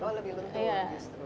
oh lebih lentur justru